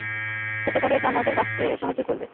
হতে পারে এটা আমাদের বাঁচতে সাহায্য করবে।